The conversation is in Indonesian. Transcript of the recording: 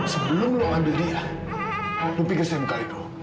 sebelum lo ambil dia lo pikir saya muka hidung